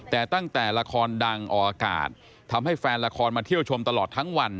แต่ตั้งแต่ละครดังออกอากาศทำให้แฟนละครมาเที่ยวชมตลอดทั้งวัน